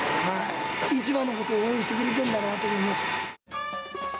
市場のことを応援してくれてるんだなと思います。